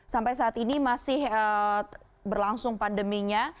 sampai saat ini masih berlangsung pandeminya